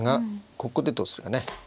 ここでどうするかね。